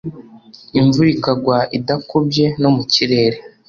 Imvura ikagwa idakubye no mu kirere